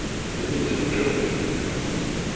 Melmi tzewǧeḍ?